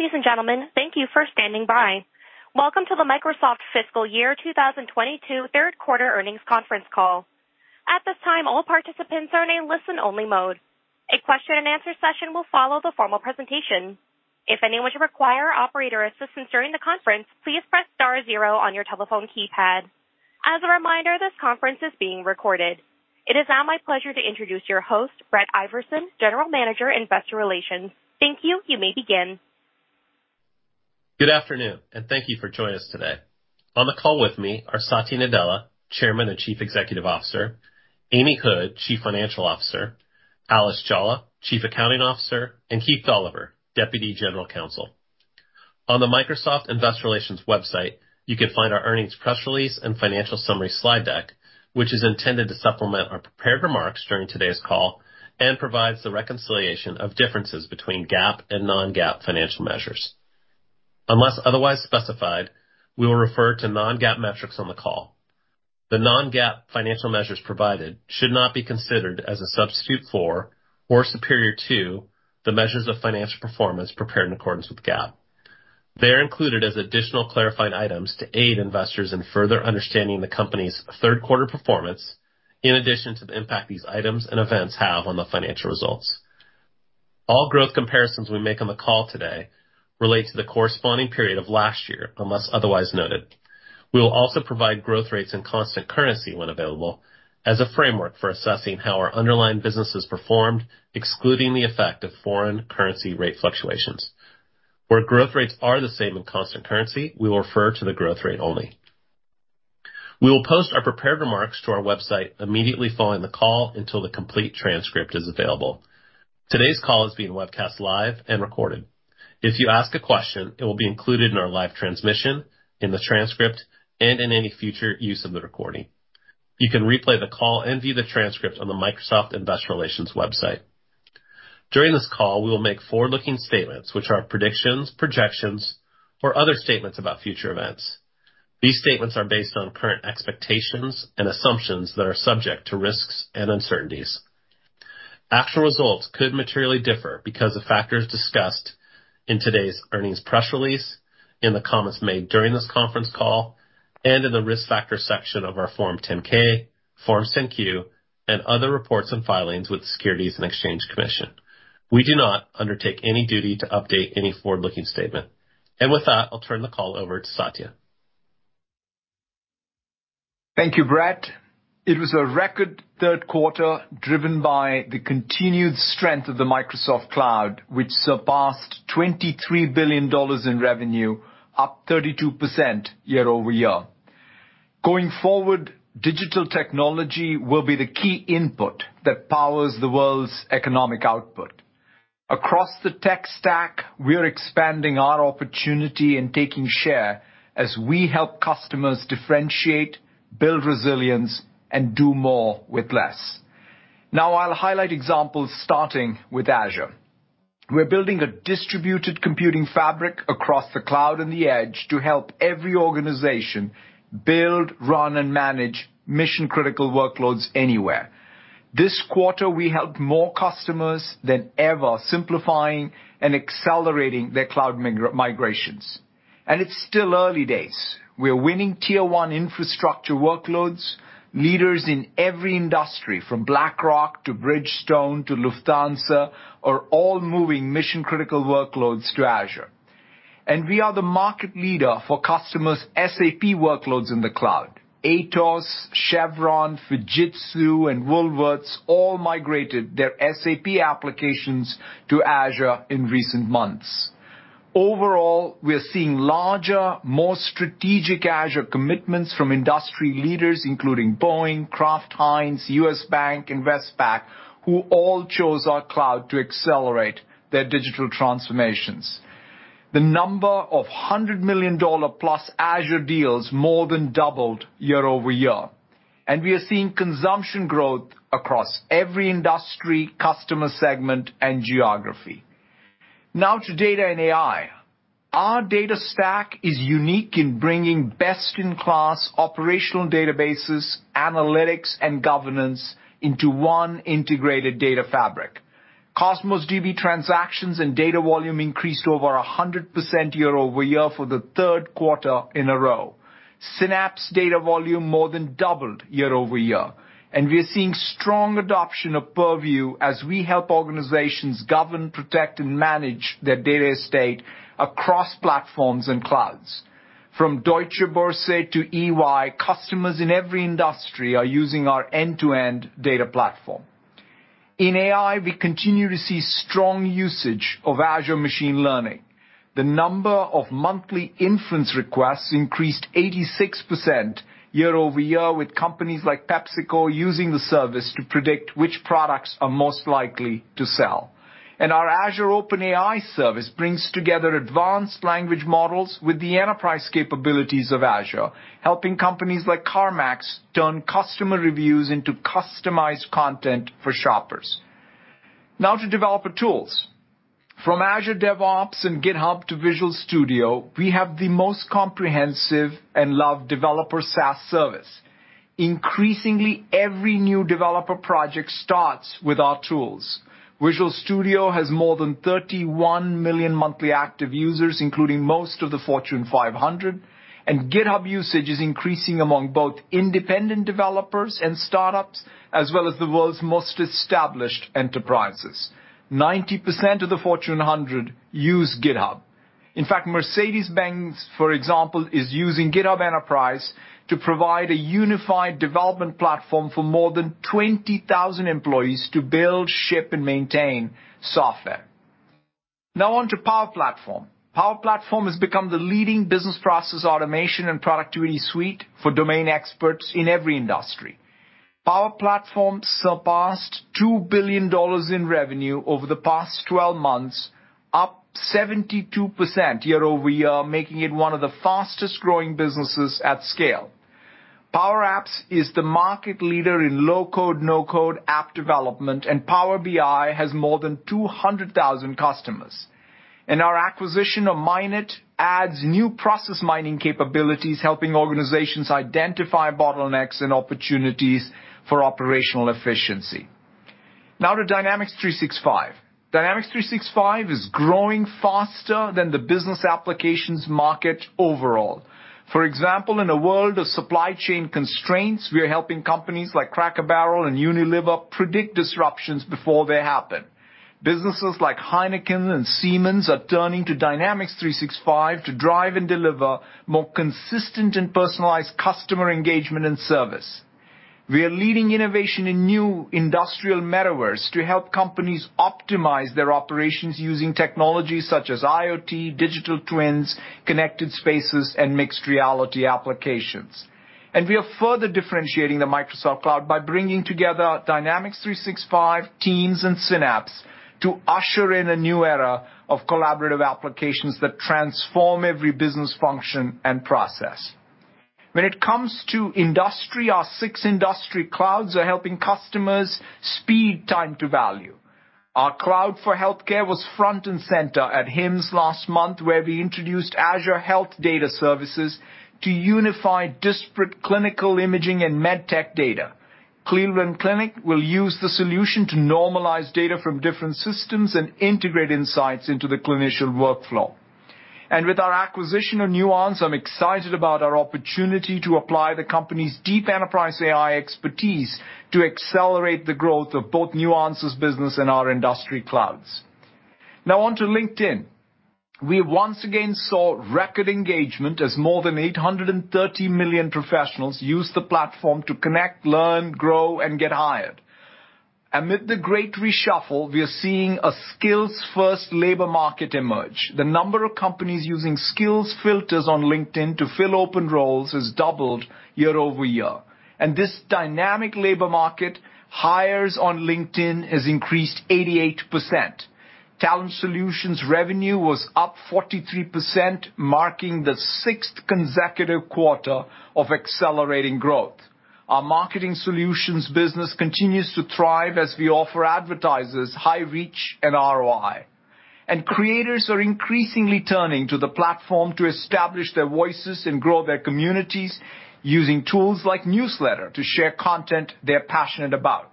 Ladies and gentlemen, thank you for standing by. Welcome to the Microsoft Fiscal Year 2022 third quarter earnings conference call. At this time, all participants are in listen only mode. A question-and-answer session will follow the formal presentation. If anyone should require operator assistance during the conference, please press star zero on your telephone keypad. As a reminder, this conference is being recorded. It is now my pleasure to introduce your host, Brett Iversen, General Manager, Investor Relations. Thank you. You may begin. Good afternoon, and thank you for joining us today. On the call with me are Satya Nadella, Chairman and Chief Executive Officer, Amy Hood, Chief Financial Officer, Alice Jolla, Chief Accounting Officer, and Keith Dolliver, Deputy General Counsel. On the Microsoft Investor Relations website, you can find our earnings press release and financial summary slide deck, which is intended to supplement our prepared remarks during today's call and provides the reconciliation of differences between GAAP and non-GAAP financial measures. Unless otherwise specified, we will refer to non-GAAP metrics on the call. The non-GAAP financial measures provided should not be considered as a substitute for or superior to the measures of financial performance prepared in accordance with GAAP. They're included as additional clarifying items to aid investors in further understanding the company's third quarter performance, in addition to the impact these items and events have on the financial results. All growth comparisons we make on the call today relate to the corresponding period of last year, unless otherwise noted. We will also provide growth rates and constant currency when available as a framework for assessing how our underlying businesses performed, excluding the effect of foreign currency rate fluctuations. Where growth rates are the same in constant currency, we will refer to the growth rate only. We will post our prepared remarks to our website immediately following the call until the complete transcript is available. Today's call is being webcast live and recorded. If you ask a question, it will be included in our live transmission, in the transcript, and in any future use of the recording. You can replay the call and view the transcript on the Microsoft Investor Relations website. During this call, we will make forward-looking statements which are predictions, projections, or other statements about future events. These statements are based on current expectations and assumptions that are subject to risks and uncertainties. Actual results could materially differ because of factors discussed in today's earnings press release, in the comments made during this conference call, and in the Risk Factors section of our Form 10-K, Form 10-Q, and other reports and filings with the Securities and Exchange Commission. We do not undertake any duty to update any forward-looking statement. With that, I'll turn the call over to Satya. Thank you, Brett. It was a record third quarter driven by the continued strength of the Microsoft Cloud, which surpassed $23 billion in revenue, up 32% year-over-year. Going forward, digital technology will be the key input that powers the world's economic output. Across the tech stack, we're expanding our opportunity and taking share as we help customers differentiate, build resilience, and do more with less. Now, I'll highlight examples starting with Azure. We're building a distributed computing fabric across the cloud and the edge to help every organization build, run, and manage mission-critical workloads anywhere. This quarter, we helped more customers than ever, simplifying and accelerating their cloud migrations. It's still early days. We are winning tier one infrastructure workloads. Leaders in every industry from BlackRock to Bridgestone to Lufthansa are all moving mission-critical workloads to Azure. We are the market leader for customers' SAP workloads in the cloud. Atos, Chevron, Fujitsu and Woolworths all migrated their SAP applications to Azure in recent months. Overall, we are seeing larger, more strategic Azure commitments from industry leaders, including Boeing, Kraft Heinz, U.S. Bank, and Westpac, who all chose our cloud to accelerate their digital transformations. The number of $100 million+ Azure deals more than doubled year-over-year. We are seeing consumption growth across every industry, customer segment, and geography. Now to data and AI. Our data stack is unique in bringing best-in-class operational databases, analytics, and governance into one integrated data fabric. Cosmos DB transactions and data volume increased over 100% year-over-year for the third quarter in a row. Synapse data volume more than doubled year-over-year. We are seeing strong adoption of Purview as we help organizations govern, protect, and manage their data estate across platforms and clouds. From Deutsche Börse to EY, customers in every industry are using our end-to-end data platform. In AI, we continue to see strong usage of Azure Machine Learning. The number of monthly inference requests increased 86% year-over-year with companies like PepsiCo using the service to predict which products are most likely to sell. Our Azure OpenAI service brings together advanced language models with the enterprise capabilities of Azure, helping companies like CarMax turn customer reviews into customized content for shoppers. Now to developer tools. From Azure DevOps and GitHub to Visual Studio, we have the most comprehensive and loved developer SaaS service. Increasingly, every new developer project starts with our tools. Visual Studio has more than 31 million monthly active users, including most of the Fortune 500, and GitHub usage is increasing among both independent developers and startups, as well as the world's most established enterprises. 90% of the Fortune 100 use GitHub. In fact, Mercedes-Benz, for example, is using GitHub Enterprise to provide a unified development platform for more than 20,000 employees to build, ship, and maintain software. Now on to Power Platform. Power Platform has become the leading business process automation and productivity suite for domain experts in every industry. Power Platform surpassed $2 billion in revenue over the past 12 months, up 72% year-over-year, making it one of the fastest-growing businesses at scale. Power Apps is the market leader in low-code, no-code app development, and Power BI has more than 200,000 customers. Our acquisition of Minit adds new process mining capabilities, helping organizations identify bottlenecks and opportunities for operational efficiency. Now to Dynamics 365. Dynamics 365 is growing faster than the business applications market overall. For example, in a world of supply chain constraints, we are helping companies like Cracker Barrel and Unilever predict disruptions before they happen. Businesses like Heineken and Siemens are turning to Dynamics 365 to drive and deliver more consistent and personalized customer engagement and service. We are leading innovation in new industrial metaverse to help companies optimize their operations using technologies such as IoT, digital twins, connected spaces, and mixed reality applications. We are further differentiating the Microsoft Cloud by bringing together Dynamics 365, Teams, and Synapse to usher in a new era of collaborative applications that transform every business function and process. When it comes to industry, our six industry clouds are helping customers speed time to value. Our cloud for healthcare was front and center at HIMSS last month, where we introduced Azure Health Data Services to unify disparate clinical imaging and med tech data. Cleveland Clinic will use the solution to normalize data from different systems and integrate insights into the clinician workflow. With our acquisition of Nuance, I'm excited about our opportunity to apply the company's deep enterprise AI expertise to accelerate the growth of both Nuance's business and our industry clouds. Now on to LinkedIn. We once again saw record engagement as more than 830 million professionals used the platform to connect, learn, grow, and get hired. Amid the great reshuffle, we are seeing a skills-first labor market emerge. The number of companies using skills filters on LinkedIn to fill open roles has doubled year-over-year. In this dynamic labor market, hires on LinkedIn has increased 88%. Talent solutions revenue was up 43%, marking the sixth consecutive quarter of accelerating growth. Our marketing solutions business continues to thrive as we offer advertisers high reach and ROI. Creators are increasingly turning to the platform to establish their voices and grow their communities using tools like Newsletter to share content they're passionate about.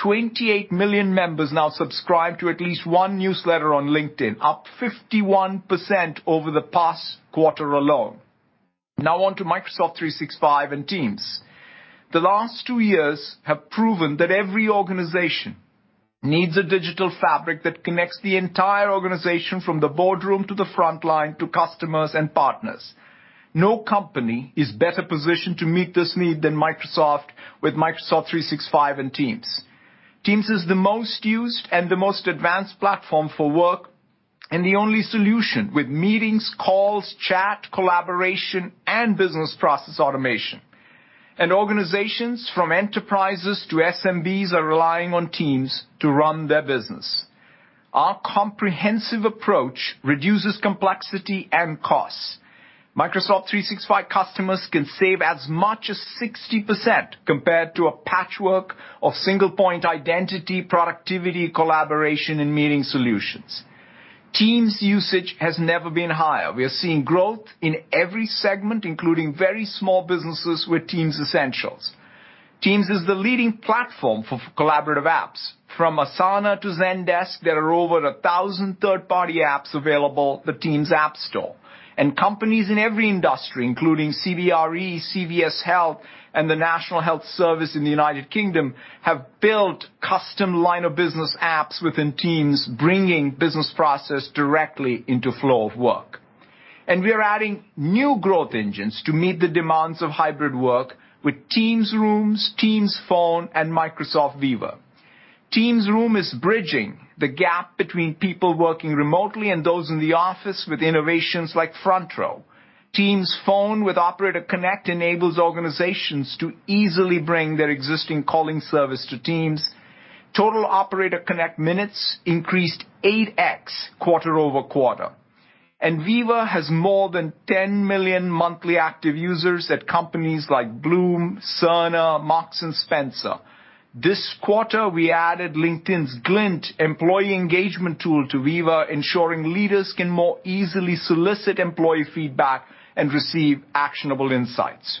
28 million members now subscribe to at least one newsletter on LinkedIn, up 51% over the past quarter alone. Now on to Microsoft 365 and Teams. The last two years have proven that every organization needs a digital fabric that connects the entire organization from the boardroom to the frontline to customers and partners. No company is better positioned to meet this need than Microsoft with Microsoft 365 and Teams. Teams is the most used and the most advanced platform for work, and the only solution with meetings, calls, chat, collaboration, and business process automation. Organizations from enterprises to SMBs are relying on Teams to run their business. Our comprehensive approach reduces complexity and costs. Microsoft 365 customers can save as much as 60% compared to a patchwork of single-point identity, productivity, collaboration, and meeting solutions. Teams usage has never been higher. We are seeing growth in every segment, including very small businesses with Teams Essentials. Teams is the leading platform for collaborative apps. From Asana to Zendesk, there are over 1,000 third-party apps available at the Teams App Store. Companies in every industry, including CBRE, CVS Health, and the National Health Service in the United Kingdom, have built custom line of business apps within Teams, bringing business process directly into flow of work. We are adding new growth engines to meet the demands of hybrid work with Teams Rooms, Teams Phone, and Microsoft Viva. Teams Rooms is bridging the gap between people working remotely and those in the office with innovations like front row. Teams Phone with Operator Connect enables organizations to easily bring their existing calling service to Teams. Total Operator Connect minutes increased 8x quarter-over-quarter. Viva has more than 10 million monthly active users at companies like Blum, Cerner, Marks & Spencer. This quarter, we added LinkedIn's Glint employee engagement tool to Viva, ensuring leaders can more easily solicit employee feedback and receive actionable insights.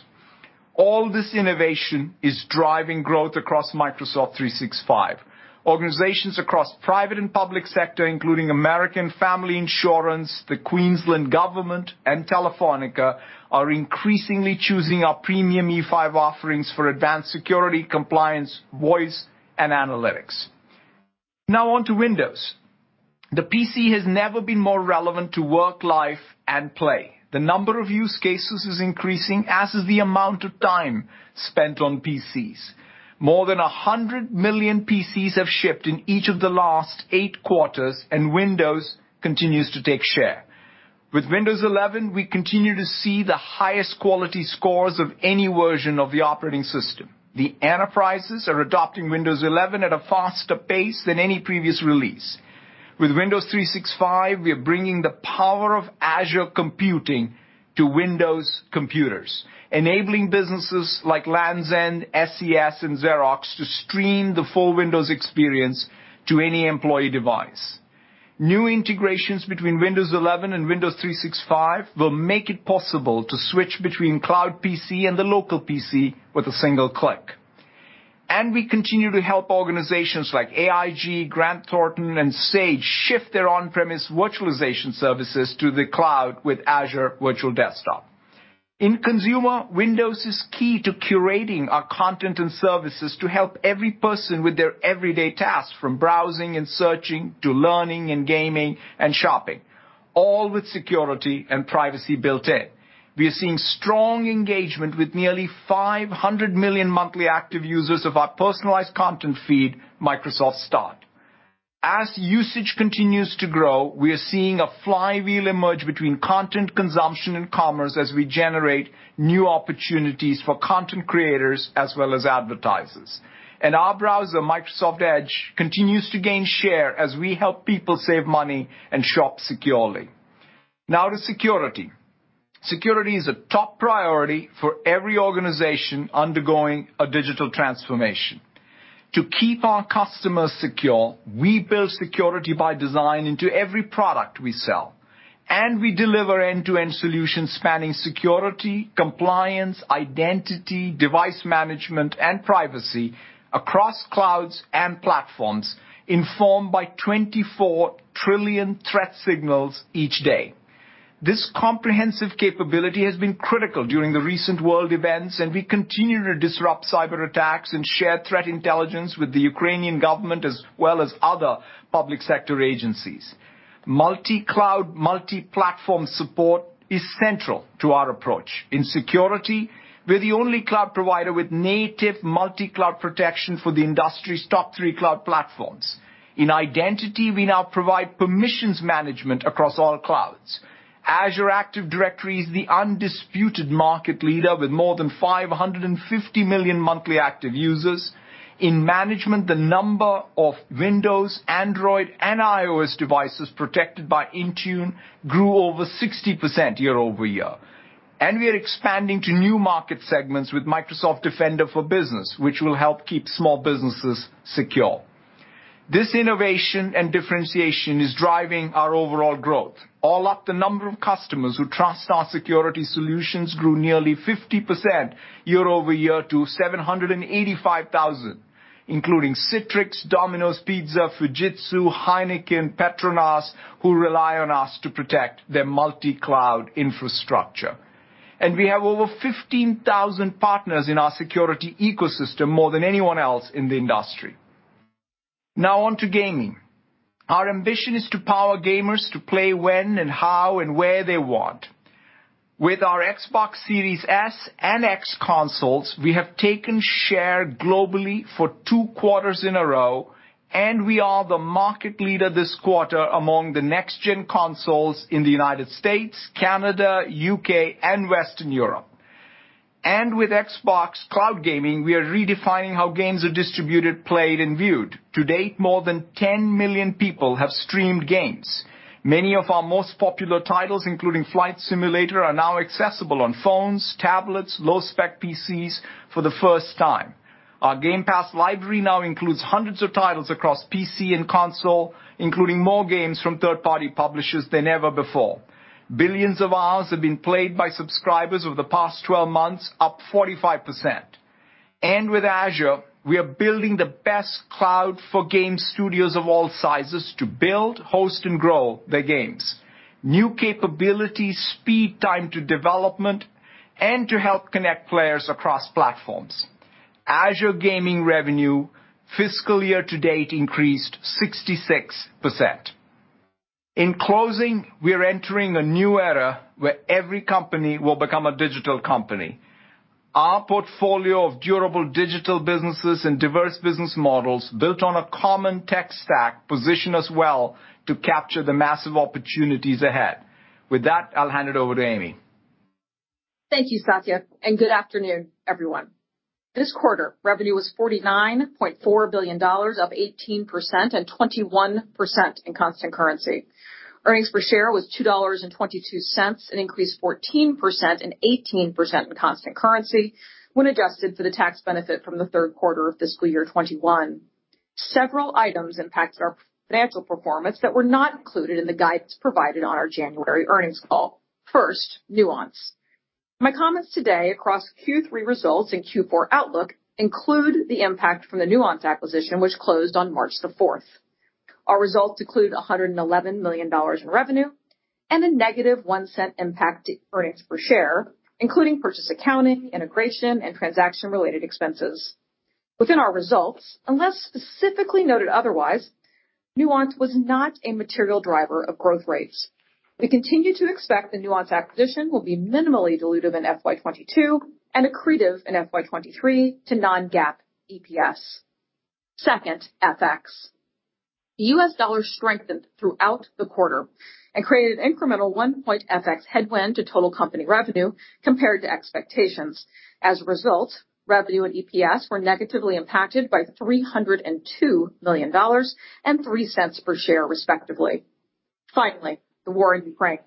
All this innovation is driving growth across Microsoft 365. Organizations across private and public sector, including American Family Insurance, the Queensland Government, and Telefónica, are increasingly choosing our premium E5 offerings for advanced security, compliance, voice, and analytics. Now on to Windows. The PC has never been more relevant to work life and play. The number of use cases is increasing, as is the amount of time spent on PCs. More than 100 million PCs have shipped in each of the last eight quarters, and Windows continues to take share. With Windows 11, we continue to see the highest quality scores of any version of the operating system. The enterprises are adopting Windows 11 at a faster pace than any previous release. With Windows 365, we are bringing the power of Azure computing to Windows computers, enabling businesses like Lands' End, SES, and Xerox to stream the full Windows experience to any employee device. New integrations between Windows 11 and Windows 365 will make it possible to switch between cloud PC and the local PC with a single click. We continue to help organizations like AIG, Grant Thornton, and Sage shift their on-premises virtualization services to the cloud with Azure Virtual Desktop. In consumer, Windows is key to curating our content and services to help every person with their everyday tasks, from browsing and searching to learning and gaming and shopping, all with security and privacy built in. We are seeing strong engagement with nearly 500 million monthly active users of our personalized content feed, Microsoft Start. As usage continues to grow, we are seeing a flywheel emerge between content consumption and commerce as we generate new opportunities for content creators as well as advertisers. Our browser, Microsoft Edge, continues to gain share as we help people save money and shop securely. Now to security. Security is a top priority for every organization undergoing a digital transformation. To keep our customers secure, we build security by design into every product we sell, and we deliver end-to-end solutions spanning security, compliance, identity, device management, and privacy across clouds and platforms, informed by 24 trillion threat signals each day. This comprehensive capability has been critical during the recent world events, and we continue to disrupt cyberattacks and share threat intelligence with the Ukrainian government as well as other public sector agencies. Multi-cloud, multi-platform support is central to our approach. In security, we're the only cloud provider with native multi-cloud protection for the industry's top three cloud platforms. In identity, we now provide permissions management across all clouds. Azure Active Directory is the undisputed market leader with more than 550 million monthly active users. In management, the number of Windows, Android, and iOS devices protected by Intune grew over 60% year-over-year. We are expanding to new market segments with Microsoft Defender for Business, which will help keep small businesses secure. This innovation and differentiation is driving our overall growth. All up, the number of customers who trust our security solutions grew nearly 50% year-over-year to 785,000, including Citrix, Domino's Pizza, Fujitsu, Heineken, PETRONAS, who rely on us to protect their multi-cloud infrastructure. We have over 15,000 partners in our security ecosystem, more than anyone else in the industry. Now on to gaming. Our ambition is to power gamers to play when and how and where they want. With our Xbox Series S and X consoles, we have taken share globally for two quarters in a row, and we are the market leader this quarter among the next-gen consoles in the U.S., Canada, U.K., and Western Europe. With Xbox Cloud Gaming, we are redefining how games are distributed, played, and viewed. To date, more than 10 million people have streamed games. Many of our most popular titles, including Flight Simulator, are now accessible on phones, tablets, low-spec PCs for the first time. Our Game Pass library now includes hundreds of titles across PC and console, including more games from third-party publishers than ever before. Billions of hours have been played by subscribers over the past 12 months, up 45%. With Azure, we are building the best cloud for game studios of all sizes to build, host, and grow their games. New capabilities speed time to development and to help connect players across platforms. Azure gaming revenue fiscal year to date increased 66%. In closing, we are entering a new era where every company will become a digital company. Our portfolio of durable digital businesses and diverse business models built on a common tech stack position us well to capture the massive opportunities ahead. With that, I'll hand it over to Amy. Thank you, Satya, and good afternoon, everyone. This quarter, revenue was $49.4 billion, up 18% and 21% in constant currency. Earnings per share was $2.22, an increase 14% and 18% in constant currency when adjusted for the tax benefit from the third quarter of fiscal year 2021. Several items impacted our financial performance that were not included in the guidance provided on our January earnings call. First, Nuance. My comments today across Q3 results and Q4 outlook include the impact from the Nuance acquisition, which closed on March 4. Our results include $111 million in revenue and a negative 1 cent impact to earnings per share, including purchase accounting, integration, and transaction-related expenses. Within our results, unless specifically noted otherwise, Nuance was not a material driver of growth rates. We continue to expect the Nuance acquisition will be minimally dilutive in FY 2022 and accretive in FY 2023 to non-GAAP EPS. Second, FX. The U.S. dollar strengthened throughout the quarter and created incremental one-point FX headwind to total company revenue compared to expectations. As a result, revenue and EPS were negatively impacted by $302 million and $0.03 per share, respectively. Finally, the war in Ukraine.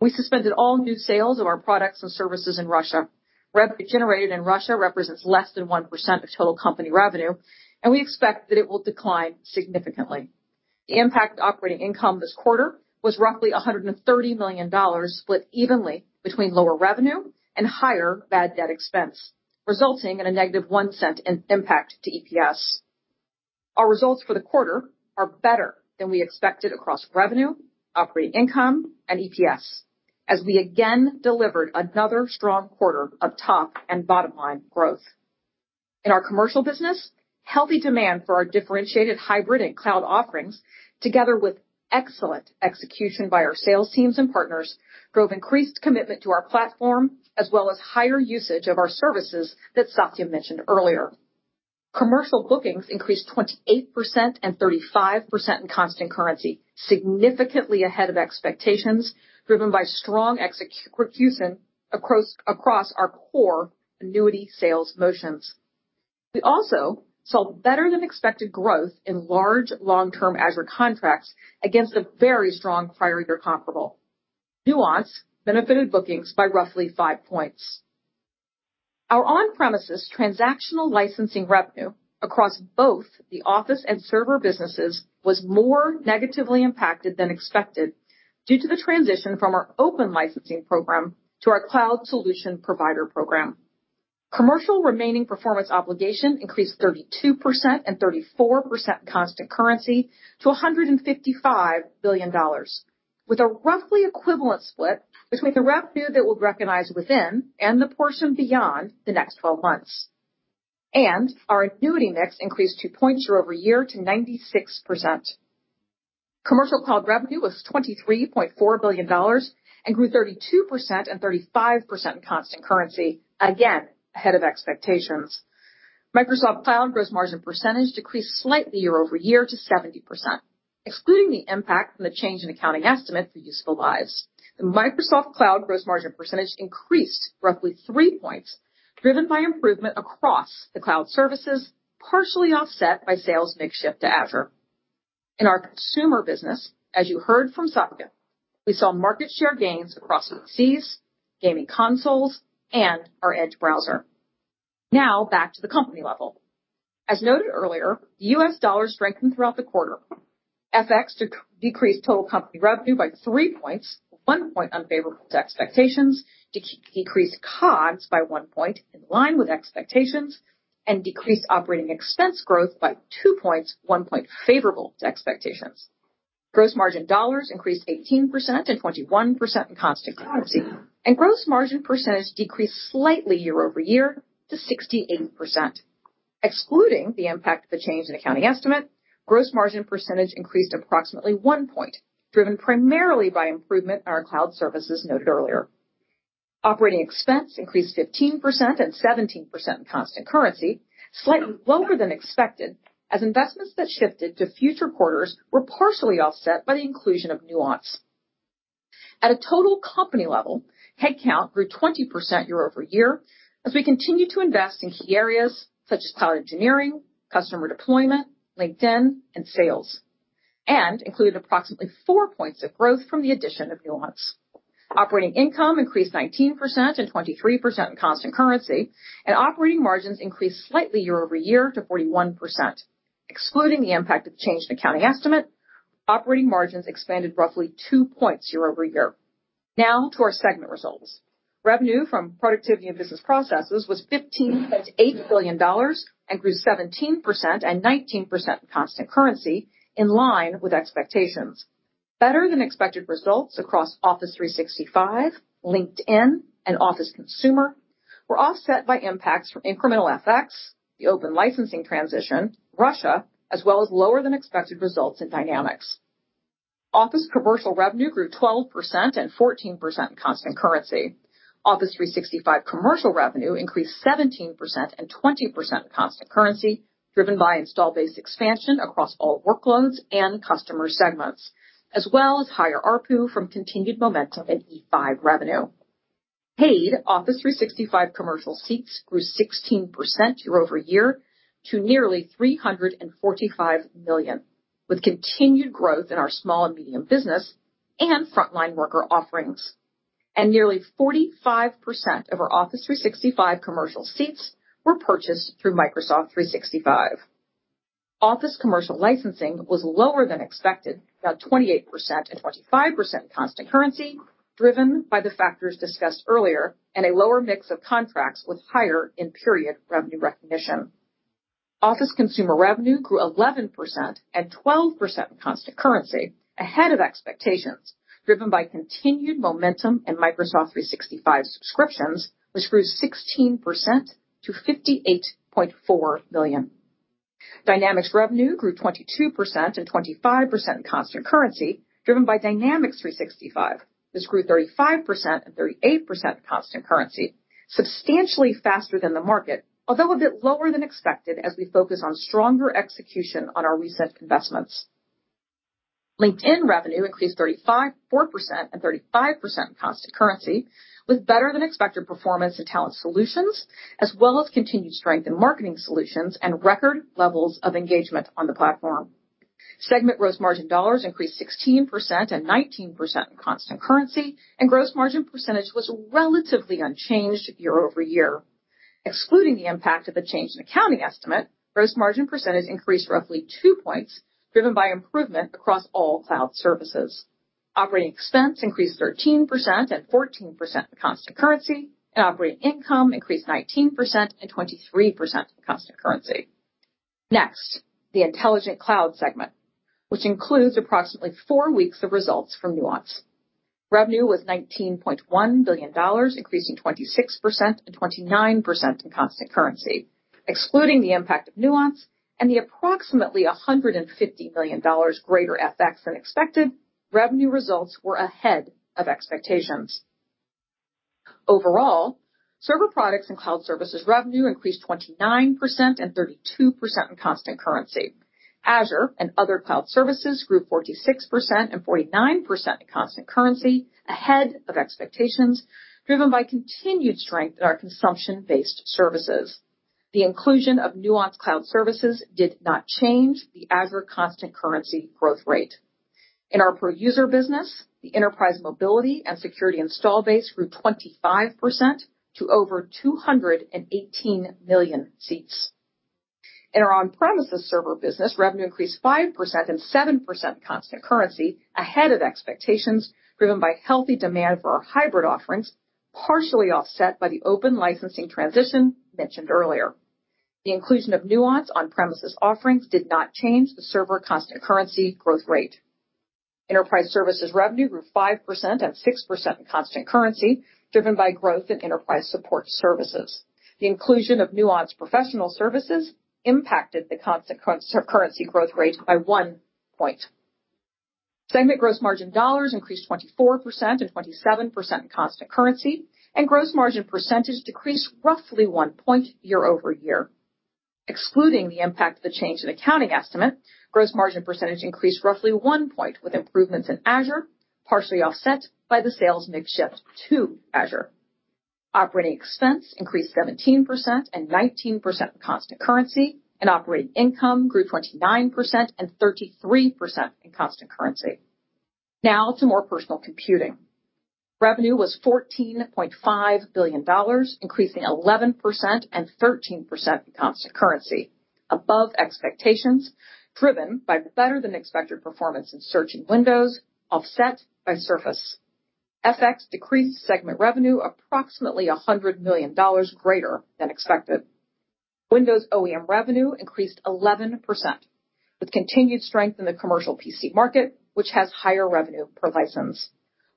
We suspended all new sales of our products and services in Russia. Revenue generated in Russia represents less than 1% of total company revenue, and we expect that it will decline significantly. The impact on operating income this quarter was roughly $130 million, split evenly between lower revenue and higher bad debt expense, resulting in a negative $0.01 impact to EPS. Our results for the quarter are better than we expected across revenue, operating income, and EPS as we again delivered another strong quarter of top and bottom line growth. In our commercial business, healthy demand for our differentiated hybrid and cloud offerings, together with excellent execution by our sales teams and partners, drove increased commitment to our platform as well as higher usage of our services that Satya mentioned earlier. Commercial bookings increased 28% and 35% in constant currency, significantly ahead of expectations driven by strong execution across our core annuity sales motions. We also saw better than expected growth in large long-term Azure contracts against a very strong prior year comparable. Nuance benefited bookings by roughly five points. Our on-premises transactional licensing revenue across both the Office and Server businesses was more negatively impacted than expected due to the transition from our Open License program to our Cloud Solution Provider program. Commercial remaining performance obligation increased 32% and 34% constant currency to $155 billion with a roughly equivalent split between the revenue that we'll recognize within and the portion beyond the next twelve months. Our annuity mix increased two points year-over-year to 96%. Commercial cloud revenue was $23.4 billion and grew 32% and 35% in constant currency, again ahead of expectations. Microsoft Cloud gross margin percentage decreased slightly year-over-year to 70%. Excluding the impact from the change in accounting estimate for useful lives, the Microsoft Cloud gross margin percentage increased roughly three points, driven by improvement across the cloud services, partially offset by sales mix shift to Azure. In our consumer business, as you heard from Satya, we saw market share gains across PCs, gaming consoles, and our Edge browser. Now back to the company level. As noted earlier, the U.S. dollar strengthened throughout the quarter. FX decreased total company revenue by three points, one point unfavorable to expectations, decreased COGS by one point in line with expectations, and decreased operating expense growth by two points, one point favorable to expectations. Gross margin dollars increased 18% and 21% in constant currency, and gross margin percentage decreased slightly year-over-year to 68%. Excluding the impact of the change in accounting estimate, gross margin percentage increased approximately 1 point, driven primarily by improvement in our cloud services noted earlier. Operating expense increased 15% and 17% in constant currency, slightly lower than expected as investments that shifted to future quarters were partially offset by the inclusion of Nuance. At a total company level, headcount grew 20% year-over-year as we continue to invest in key areas such as cloud engineering, customer deployment, LinkedIn, and sales, and included approximately four points of growth from the addition of Nuance. Operating income increased 19% and 23% in constant currency, and operating margins increased slightly year-over-year to 41%. Excluding the impact of change in accounting estimate, operating margins expanded roughly 2 points year-over-year. Now to our segment results. Revenue from productivity and business processes was $15.8 billion and grew 17% and 19% in constant currency in line with expectations. Better than expected results across Office 365, LinkedIn, and Office Consumer were offset by impacts from incremental FX, the Open License transition, Russia, as well as lower than expected results in Dynamics. Office commercial revenue grew 12% and 14% in constant currency. Office 365 commercial revenue increased 17% and 20% in constant currency, driven by install base expansion across all workloads and customer segments, as well as higher ARPU from continued momentum in E5 revenue. Paid Office 365 commercial seats grew 16% year-over-year to nearly 345 million, with continued growth in our small and medium business and frontline worker offerings. Nearly 45% of our Office 365 commercial seats were purchased through Microsoft 365. Office commercial licensing was lower than expected, about 28% and 25% constant currency, driven by the factors discussed earlier and a lower mix of contracts with higher in-period revenue recognition. Office consumer revenue grew 11% and 12% constant currency ahead of expectations, driven by continued momentum in Microsoft 365 subscriptions, which grew 16% to 58.4 million. Dynamics revenue grew 22% and 25% constant currency, driven by Dynamics 365, which grew 35% and 38% constant currency, substantially faster than the market, although a bit lower than expected as we focus on stronger execution on our recent investments. LinkedIn revenue increased 35.4% and 35% constant currency with better than expected performance in talent solutions as well as continued strength in marketing solutions and record levels of engagement on the platform. Segment gross margin dollars increased 16% and 19% in constant currency, and gross margin percentage was relatively unchanged year over year. Excluding the impact of the change in accounting estimate, gross margin percentage increased roughly two points, driven by improvement across all cloud services. Operating expense increased 13% and 14% in constant currency, and operating income increased 19% and 23% in constant currency. Next, the Intelligent Cloud segment, which includes approximately four weeks of results from Nuance. Revenue was $19.1 billion, increasing 26% and 29% in constant currency. Excluding the impact of Nuance and the approximately $150 million greater FX than expected, revenue results were ahead of expectations. Overall, server products and cloud services revenue increased 29% and 32% in constant currency. Azure and other cloud services grew 46% and 49% in constant currency ahead of expectations, driven by continued strength in our consumption-based services. The inclusion of Nuance cloud services did not change the Azure constant currency growth rate. In our per user business, the Enterprise Mobility + Security install base grew 25% to over 218 million seats. In our on-premises server business, revenue increased 5% and 7% constant currency ahead of expectations, driven by healthy demand for our hybrid offerings, partially offset by the Open License transition mentioned earlier. The inclusion of Nuance on-premises offerings did not change the server constant currency growth rate. Enterprise services revenue grew 5% and 6% in constant currency, driven by growth in enterprise support services. The inclusion of Nuance professional services impacted the constant currency growth rate by one point. Segment gross margin dollars increased 24% and 27% in constant currency, and gross margin percentage decreased roughly 1 point year-over-year. Excluding the impact of the change in accounting estimate, gross margin percentage increased roughly 1 point, with improvements in Azure partially offset by the sales mix shift to Azure. Operating expense increased 17% and 19% in constant currency, and operating income grew 29% and 33% in constant currency. Now to more personal computing. Revenue was $14.5 billion, increasing 11% and 13% in constant currency above expectations, driven by better than expected performance in Search and Windows offset by Surface. FX decreased segment revenue approximately $100 million greater than expected. Windows OEM revenue increased 11% with continued strength in the commercial PC market, which has higher revenue per license.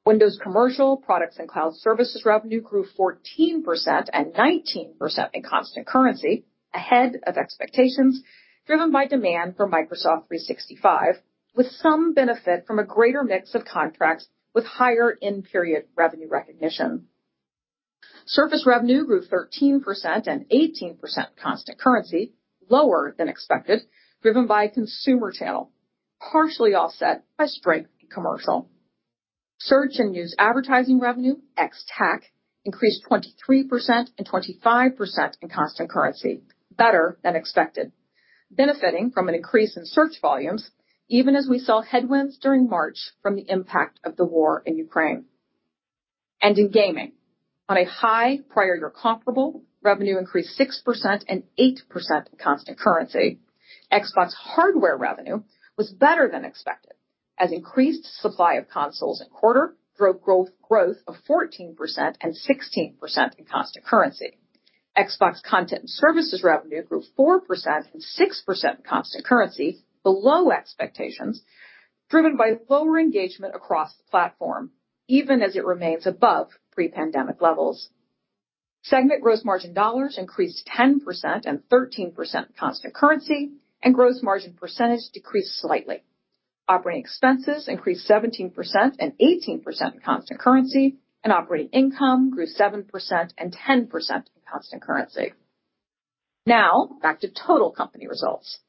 Windows Commercial products and cloud services revenue grew 14% and 19% in constant currency ahead of expectations driven by demand for Microsoft 365 with some benefit from a greater mix of contracts with higher in-period revenue recognition. Surface revenue grew 13% and 18% constant currency lower than expected, driven by consumer channel, partially offset by strength in commercial. Search and news advertising revenue ex TAC increased 23% and 25% in constant currency better than expected, benefiting from an increase in search volumes even as we saw headwinds during March from the impact of the war in Ukraine. In gaming, on a high prior year comparable, revenue increased 6% and 8% in constant currency. Xbox hardware revenue was better than expected as increased supply of consoles in quarter drove growth of 14% and 16% in constant currency. Xbox content and services revenue grew 4% and 6% constant currency below expectations, driven by lower engagement across the platform even as it remains above pre-pandemic levels. Segment gross margin dollars increased 10% and 13% constant currency, and gross margin percentage decreased slightly. Operating expenses increased 17% and 18% in constant currency, and operating income grew 7% and 10% in constant currency. Now back to total company results.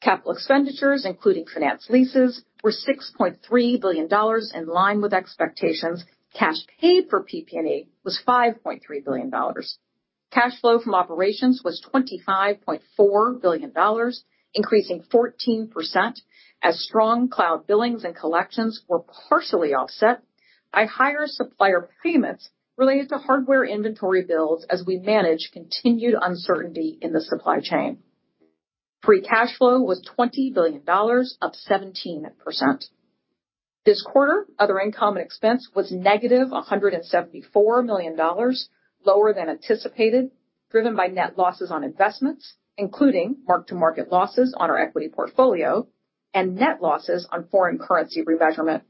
Capital expenditures, including finance leases, were $6.3 billion in line with expectations. Cash paid for PP&E was $5.3 billion. Cash flow from operations was $25.4 billion, increasing 14% as strong cloud billings and collections were partially offset by higher supplier payments related to hardware inventory bills as we manage continued uncertainty in the supply chain. Free cash flow was $20 billion, up 17%. This quarter, other income and expense was negative $174 million, lower than anticipated, driven by net losses on investments, including mark-to-market losses on our equity portfolio and net losses on foreign currency remeasurement.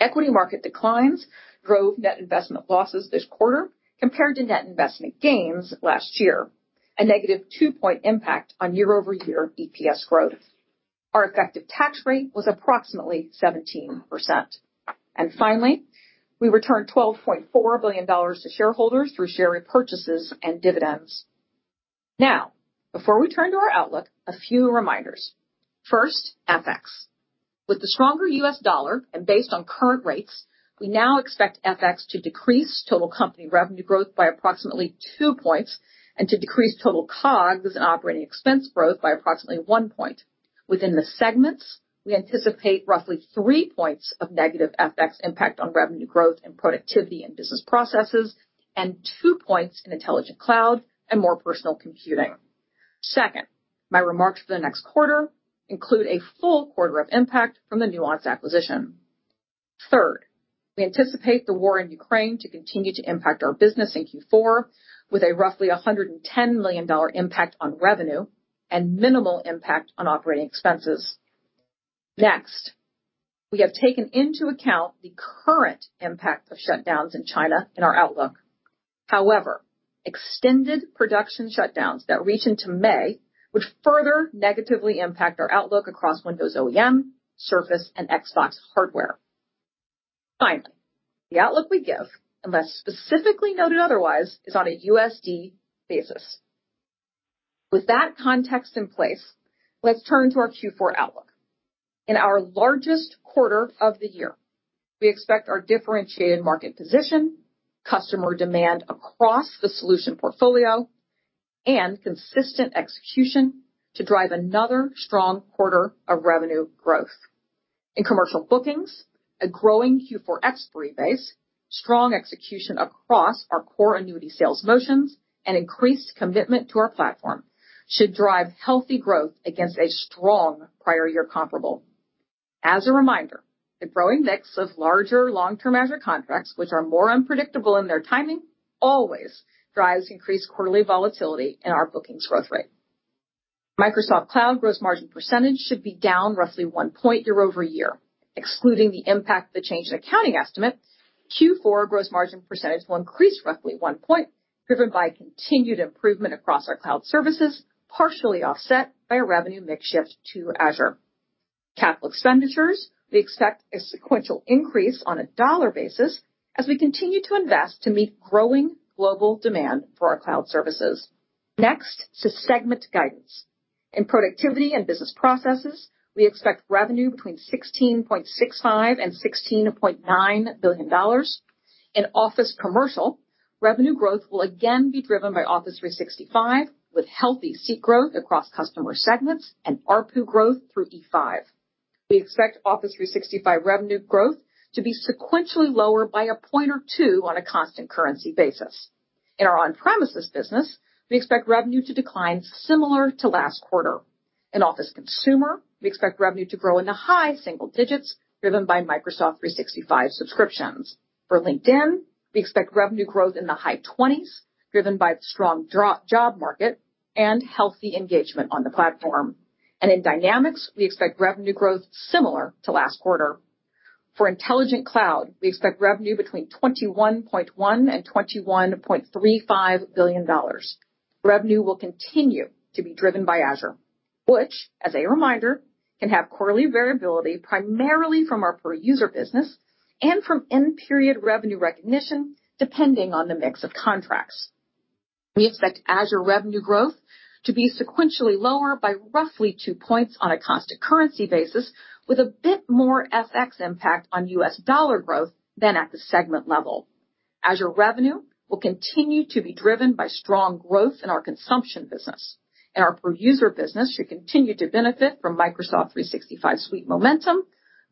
Equity market declines drove net investment losses this quarter compared to net investment gains last year, a -2 point impact on year-over-year EPS growth. Our effective tax rate was approximately 17%. Finally, we returned $12.4 billion to shareholders through share repurchases and dividends. Now, before we turn to our outlook, a few reminders. First, FX. With the stronger U.S. dollar and based on current rates, we now expect FX to decrease total company revenue growth by approximately two points and to decrease total COGS and operating expense growth by approximately one point. Within the segments, we anticipate roughly three points of negative FX impact on revenue growth and Productivity and Business Processes and two points in Intelligent Cloud and More Personal Computing. Second, my remarks for the next quarter include a full quarter of impact from the Nuance acquisition. Third, we anticipate the war in Ukraine to continue to impact our business in Q4 with roughly a $110 million impact on revenue and minimal impact on operating expenses. Next, we have taken into account the current impact of shutdowns in China in our outlook. However, extended production shutdowns that reach into May would further negatively impact our outlook across Windows OEM, Surface, and Xbox hardware. Finally, the outlook we give, unless specifically noted otherwise, is on a USD basis. With that context in place, let's turn to our Q4 outlook. In our largest quarter of the year, we expect our differentiated market position, customer demand across the solution portfolio, and consistent execution to drive another strong quarter of revenue growth. In commercial bookings, a growing Q4 expiry base, strong execution across our core annuity sales motions, and increased commitment to our platform should drive healthy growth against a strong prior year comparable. As a reminder, the growing mix of larger long-term Azure contracts, which are more unpredictable in their timing, always drives increased quarterly volatility in our bookings growth rate. Microsoft Cloud gross margin percentage should be down roughly 1 point year over year. Excluding the impact of the change in accounting estimate, Q4 gross margin percentage will increase roughly one point, driven by continued improvement across our cloud services, partially offset by a revenue mix shift to Azure. Capital expenditures, we expect a sequential increase on a dollar basis as we continue to invest to meet growing global demand for our cloud services. Next to segment guidance. In productivity and business processes, we expect revenue between $16.65 billion and $16.9 billion. In Office Commercial, revenue growth will again be driven by Office 365, with healthy seat growth across customer segments and ARPU growth through E5. We expect Office 365 revenue growth to be sequentially lower by a point or two on a constant currency basis. In our on-premises business, we expect revenue to decline similar to last quarter. In Office Consumer, we expect revenue to grow in the high single digits driven by Microsoft 365 subscriptions. For LinkedIn, we expect revenue growth in the high 20s%, driven by the strong job market and healthy engagement on the platform. In Dynamics, we expect revenue growth similar to last quarter. For Intelligent Cloud, we expect revenue between $21.1 billion and $21.35 billion. Revenue will continue to be driven by Azure, which as a reminder, can have quarterly variability primarily from our per-user business and from end-period revenue recognition, depending on the mix of contracts. We expect Azure revenue growth to be sequentially lower by roughly two points on a constant currency basis, with a bit more FX impact on U.S. dollar growth than at the segment level. Azure revenue will continue to be driven by strong growth in our consumption business, and our per-user business should continue to benefit from Microsoft 365 suite momentum,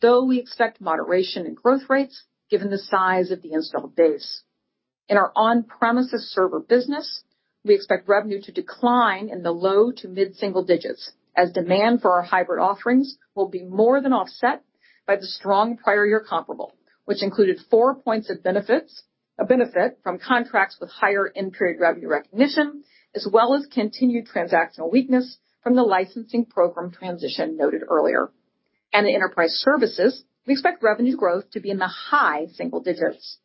though we expect moderation in growth rates given the size of the installed base. In our on-premises server business, we expect revenue to decline in the low- to mid-single digits as demand for our hybrid offerings will be more than offset by the strong prior year comparable, which included 4 points of benefits, a benefit from contracts with higher end-period revenue recognition, as well as continued transactional weakness from the licensing program transition noted earlier. In Enterprise Services, we expect revenue growth to be in the high single digits.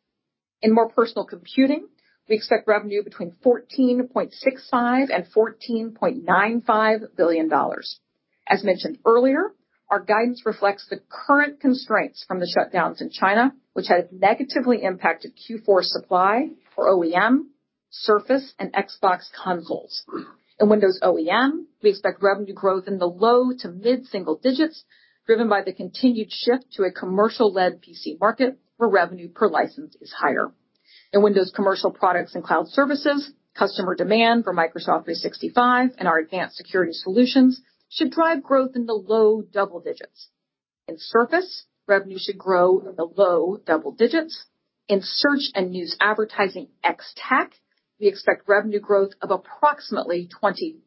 In More Personal Computing, we expect revenue between $14.65 billion and $14.95 billion. As mentioned earlier, our guidance reflects the current constraints from the shutdowns in China, which has negatively impacted Q4 supply for OEM, Surface, and Xbox consoles. In Windows OEM, we expect revenue growth in the low- to mid-single digits driven by the continued shift to a commercial-led PC market where revenue per license is higher. In Windows commercial products and cloud services, customer demand for Microsoft 365 and our advanced security solutions should drive growth in the low double digits. In Surface, revenue should grow in the low double digits. In search and news advertising ex TAC, we expect revenue growth of approximately 20%.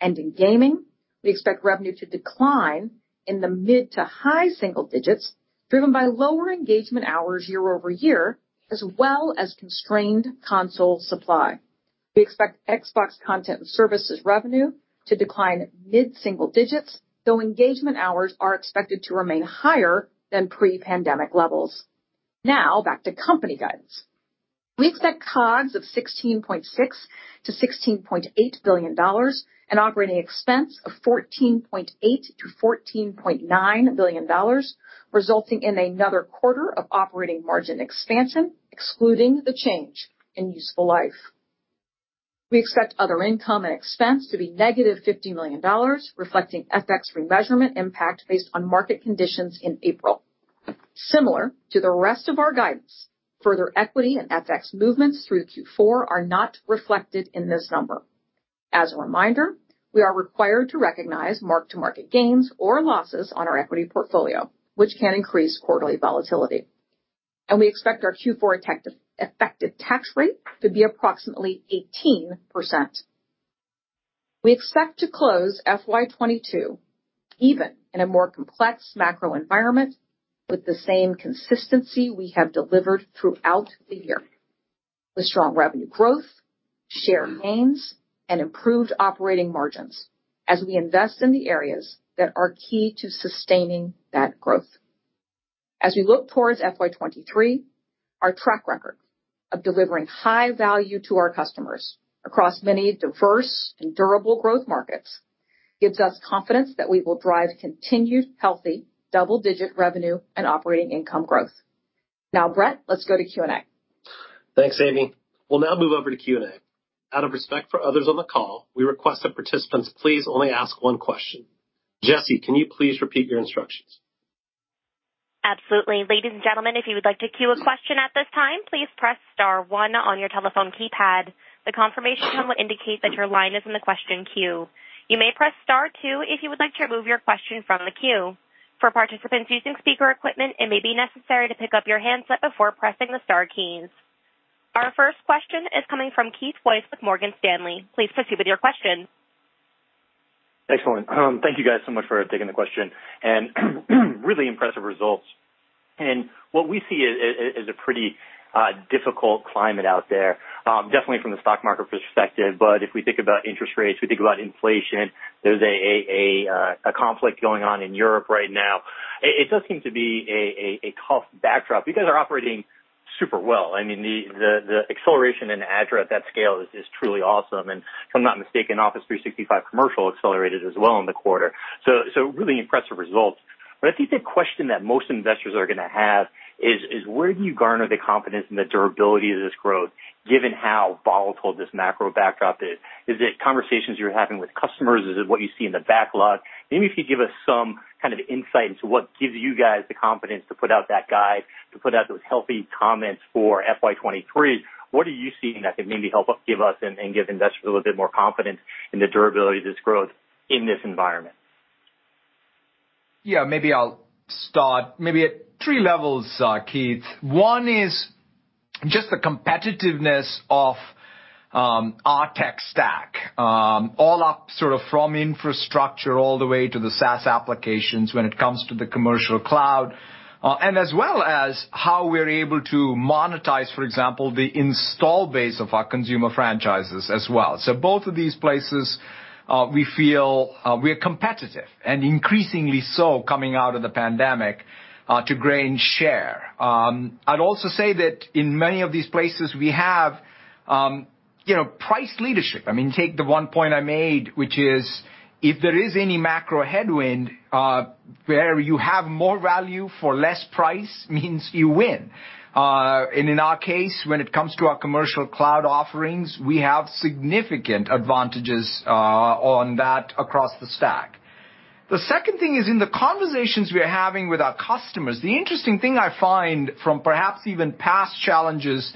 In gaming, we expect revenue to decline in the mid- to high single digits, driven by lower engagement hours year-over-year, as well as constrained console supply. We expect Xbox content and services revenue to decline mid-single digits, though engagement hours are expected to remain higher than pre-pandemic levels. Now back to company guidance. We expect COGS of $16.6 billion-$16.8 billion and operating expense of $14.8 billion-$14.9 billion, resulting in another quarter of operating margin expansion, excluding the change in useful life. We expect other income and expense to be -$50 million, reflecting FX remeasurement impact based on market conditions in April. Similar to the rest of our guidance, further equity and FX movements through Q4 are not reflected in this number. As a reminder, we are required to recognize mark-to-market gains or losses on our equity portfolio, which can increase quarterly volatility. We expect our Q4 effective tax rate to be approximately 18%. We expect to close FY 2022 even in a more complex macro environment with the same consistency we have delivered throughout the year, with strong revenue growth, share gains, and improved operating margins as we invest in the areas that are key to sustaining that growth. As we look towards FY 2023, our track record of delivering high value to our customers across many diverse and durable growth markets gives us confidence that we will drive continued healthy double-digit revenue and operating income growth. Now, Brett, let's go to Q&A. Thanks, Amy. We'll now move over to Q&A. Out of respect for others on the call, we request that participants please only ask one question. Jesse, can you please repeat your instructions? Absolutely. Ladies and gentlemen, if you would like to queue a question at this time, please press star one on your telephone keypad. The confirmation tone will indicate that your line is in the question queue. You may press star two if you would like to remove your question from the queue. For participants using speaker equipment, it may be necessary to pick up your handset before pressing the star keys. Our first question is coming from Keith Weiss with Morgan Stanley. Please proceed with your question. Excellent. Thank you guys so much for taking the question and really impressive results. What we see is a pretty difficult climate out there, definitely from the stock market perspective. If we think about interest rates, we think about inflation, there's a conflict going on in Europe right now. It does seem to be a tough backdrop. You guys are operating super well. I mean, the acceleration in Azure at that scale is truly awesome, and if I'm not mistaken, Office 365 Commercial accelerated as well in the quarter. Really impressive results. I think the question that most investors are gonna have is where do you garner the confidence in the durability of this growth, given how volatile this macro backdrop is? Is it conversations you're having with customers? Is it what you see in the backlog? Maybe if you give us some kind of insight into what gives you guys the confidence to put out that guide, to put out those healthy comments for FY 2023. What are you seeing that could maybe help us give us and give investors a little bit more confidence in the durability of this growth in this environment? Yeah, maybe I'll start at three levels, Keith. One is just the competitiveness of our tech stack all up sort of from infrastructure all the way to the SaaS applications when it comes to the commercial cloud, and as well as how we're able to monetize, for example, the install base of our consumer franchises as well. Both of these places, we feel we are competitive and increasingly so coming out of the pandemic to gain share. I'd also say that in many of these places we have, you know, price leadership. I mean, take the one point I made, which is if there is any macro headwind, where you have more value for less price means you win. In our case, when it comes to our commercial cloud offerings, we have significant advantages on that across the stack. The second thing is in the conversations we are having with our customers, the interesting thing I find from perhaps even past challenges,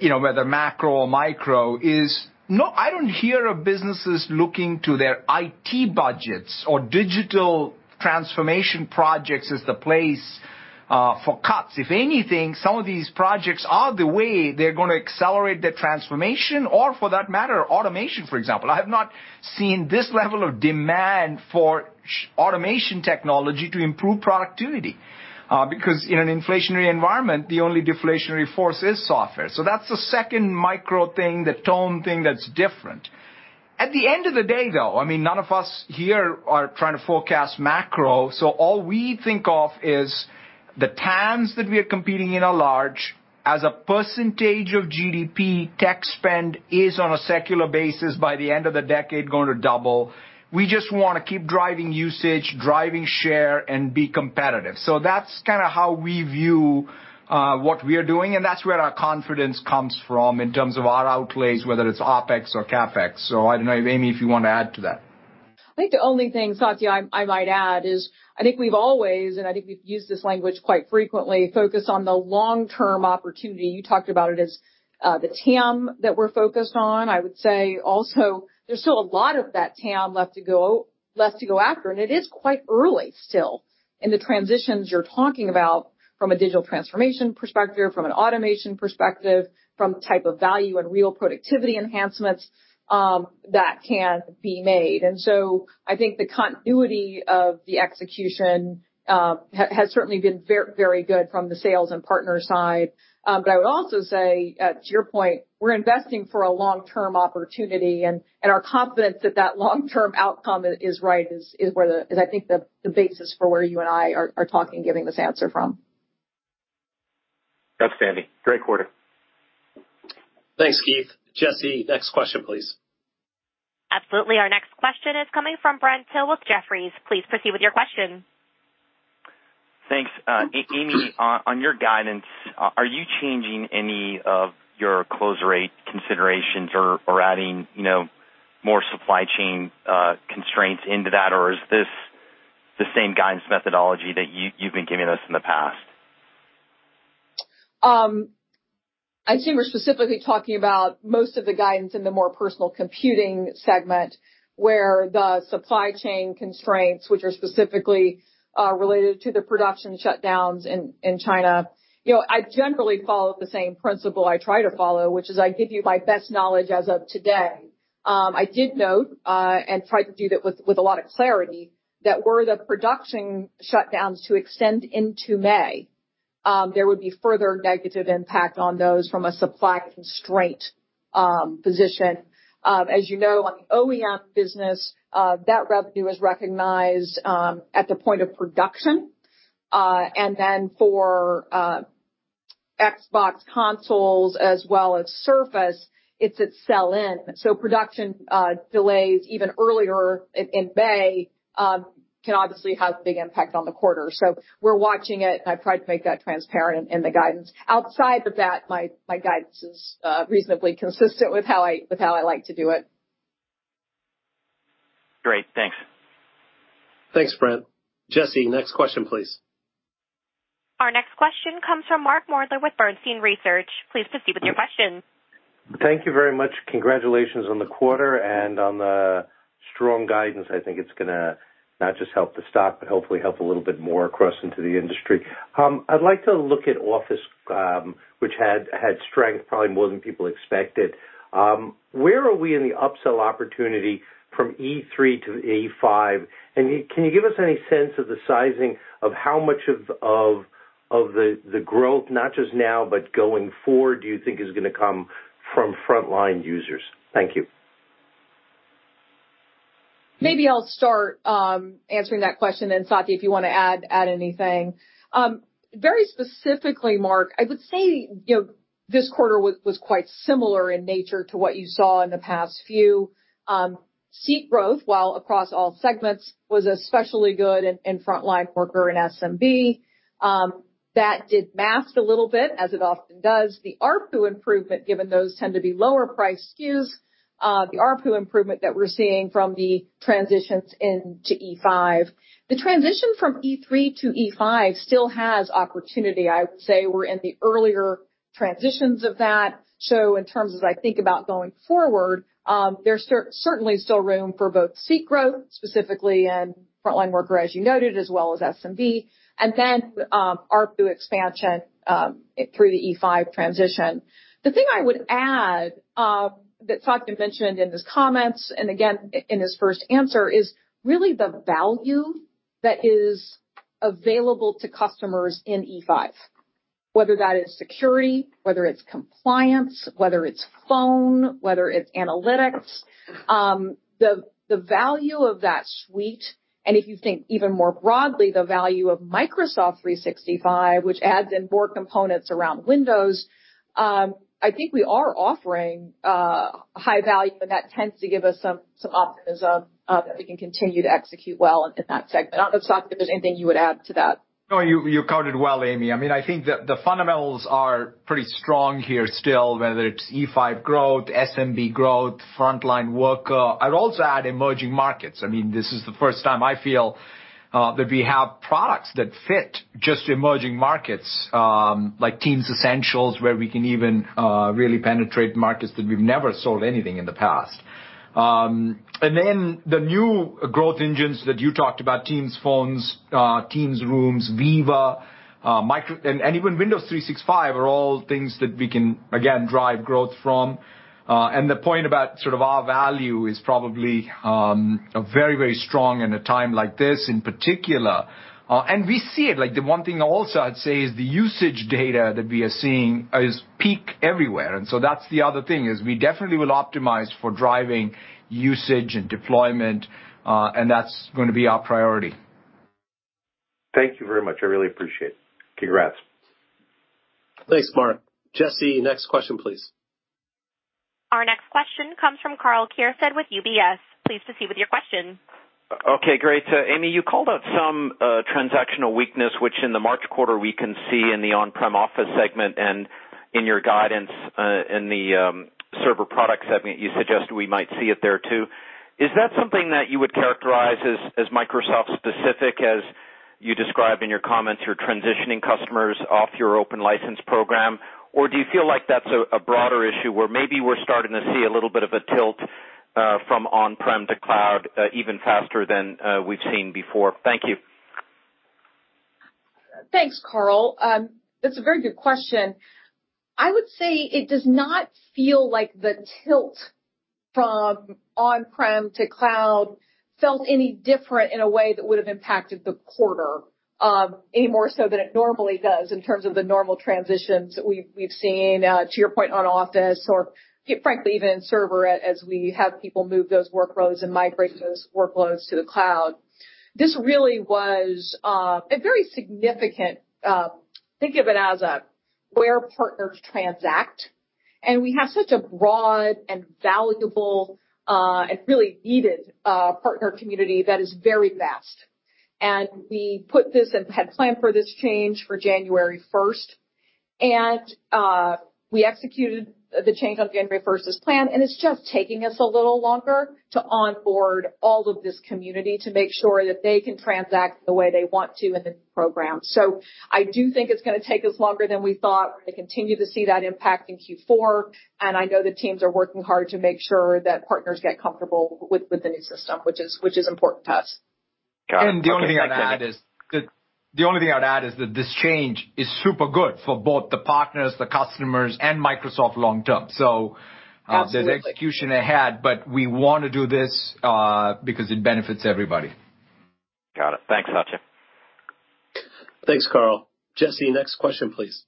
you know, whether macro or micro, is no, I don't hear of businesses looking to their IT budgets or digital transformation projects as the place for cuts. If anything, some of these projects are the way they're gonna accelerate their transformation or for that matter, automation, for example. I have not seen this level of demand for automation technology to improve productivity because in an inflationary environment, the only deflationary force is software. That's the second micro thing, the tone thing that's different. At the end of the day, though, I mean, none of us here are trying to forecast macro. All we think of is the times that we are competing in large deals. As a percentage of GDP, tech spend is on a secular basis by the end of the decade going to double. We just wanna keep driving usage, driving share, and be competitive. That's kinda how we view what we are doing, and that's where our confidence comes from in terms of our outlays, whether it's OpEx or CapEx. I don't know if, Amy, you wanna add to that. I think the only thing, Satya, I might add is I think we've always, and I think we've used this language quite frequently, focus on the long-term opportunity. You talked about it as the TAM that we're focused on. I would say also there's still a lot of that TAM left to go after, and it is quite early still in the transitions you're talking about from a digital transformation perspective, from an automation perspective, from type of value and real productivity enhancements that can be made. I think the continuity of the execution has certainly been very good from the sales and partner side. But I would also say to your point, we're investing for a long-term opportunity and are confident that that long-term outcome is right, is where the. I think the basis for where you and I are talking, giving this answer from. Outstanding. Great quarter. Thanks, Keith. Jesse, next question, please. Absolutely. Our next question is coming from Brent Thill with Jefferies. Please proceed with your question. Thanks. Amy, on your guidance, are you changing any of your close rate considerations or adding, you know, more supply chain constraints into that? Or is this the same guidance methodology that you've been giving us in the past? I assume you're specifically talking about most of the guidance in the More Personal Computing segment, where the supply chain constraints, which are specifically related to the production shutdowns in China. You know, I generally follow the same principle I try to follow, which is I give you my best knowledge as of today. I did note and tried to do that with a lot of clarity that were the production shutdowns to extend into May, there would be further negative impact on those from a supply constraint position. As you know, on the OEM business, that revenue is recognized at the point of production. And then for Xbox consoles as well as Surface, it's at sell-in. Production delays even earlier in May can obviously have a big impact on the quarter. We're watching it, and I tried to make that transparent in the guidance. Outside of that, my guidance is reasonably consistent with how I like to do it. Great. Thanks. Thanks, Brent. Jesse, next question, please. Our next question comes from Mark Moerdler with Bernstein Research. Please proceed with your question. Thank you very much. Congratulations on the quarter and on the strong guidance. I think it's gonna not just help the stock, but hopefully help a little bit more across into the industry. I'd like to look at Office, which had strength probably more than people expected. Where are we in the upsell opportunity from E3 to E5? Can you give us any sense of the sizing of how much of the growth, not just now, but going forward, do you think is gonna come from frontline users? Thank you. Maybe I'll start answering that question, then, Satya, if you wanna add anything. Very specifically, Mark, I would say, you know, this quarter was quite similar in nature to what you saw in the past few. Seat growth, while across all segments, was especially good in frontline worker and SMB. That did mask a little bit, as it often does, the ARPU improvement, given those tend to be lower priced SKUs, the ARPU improvement that we're seeing from the transitions into E5. The transition from E3 to E5 still has opportunity. I would say we're in the earlier transitions of that. In terms, as I think about going forward, there's certainly still room for both seat growth, specifically in frontline worker, as you noted, as well as SMB, and then ARPU expansion through the E5 transition. The thing I would add, that Satya mentioned in his comments, and again, in his first answer, is really the value that is available to customers in E5, whether that is security, whether it's compliance, whether it's phone, whether it's analytics, the value of that suite, and if you think even more broadly, the value of Microsoft 365, which adds in more components around Windows, I think we are offering high value, and that tends to give us some optimism that we can continue to execute well in that segment. I don't know, Satya, if there's anything you would add to that. No, you covered it well, Amy. I mean, I think the fundamentals are pretty strong here still, whether it's E5 growth, SMB growth, frontline worker. I'd also add emerging markets. I mean, this is the first time I feel that we have products that fit just emerging markets, like Teams Essentials, where we can even really penetrate markets that we've never sold anything in the past. And then the new growth engines that you talked about, Teams Phones, Teams Rooms, Viva, Microsoft, and even Windows 365 are all things that we can again drive growth from. And the point about sort of our value is probably a very, very strong in a time like this in particular. And we see it. Like the one thing also I'd say is the usage data that we are seeing is peak everywhere. That's the other thing, is we definitely will optimize for driving usage and deployment, and that's gonna be our priority. Thank you very much. I really appreciate it. Congrats. Thanks, Mark. Jesse, next question, please. Our next question comes from Karl Keirstead with UBS. Please proceed with your question. Okay, great. Amy, you called out some transactional weakness, which in the March quarter we can see in the on-prem Office segment and in your guidance, in the server product segment, you suggest we might see it there too. Is that something that you would characterize as Microsoft specific, as you described in your comments, you're transitioning customers off your Open License program? Or do you feel like that's a broader issue where maybe we're starting to see a little bit of a tilt, from on-prem to cloud, even faster than we've seen before? Thank you. Thanks, Karl. That's a very good question. I would say it does not feel like the tilt from on-prem to cloud felt any different in a way that would have impacted the quarter, any more so than it normally does in terms of the normal transitions that we've seen, to your point on Office or quite frankly, even in server as we have people move those workloads and migrate those workloads to the cloud. This really was a very significant. Think of it as a where partners transact, and we have such a broad and valuable, and really needed, partner community that is very vast. We put this and had planned for this change for January first. We executed the change on January first as planned, and it's just taking us a little longer to onboard all of this community to make sure that they can transact the way they want to in the new program. I do think it's gonna take us longer than we thought. We're gonna continue to see that impact in Q4, and I know the teams are working hard to make sure that partners get comfortable with the new system, which is important to us. Got it. The only thing I'd add is that this change is super good for both the partners, the customers, and Microsoft long term. Absolutely. There's execution ahead, but we wanna do this because it benefits everybody. Got it. Thanks, Satya. Thanks, Karl. Jesse, next question, please.